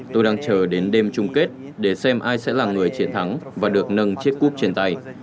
tôi đang chờ đến đêm chung kết để xem ai sẽ là người chiến thắng và được nâng chiếc cúp trên tay